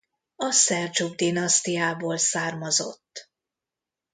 A Szeldzsuk-dinasztiából származott.